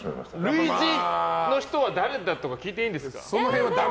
類似の人は誰かとか聞いていいんですか？